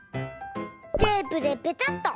テープでペタッっと。